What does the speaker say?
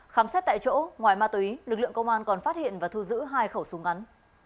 khám xét tại chỗ ngoài ma túy lực lượng công an còn phát hiện và thu giữ hai khẩu súng ngắn